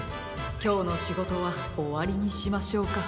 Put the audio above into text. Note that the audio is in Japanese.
きょうのしごとはおわりにしましょうか。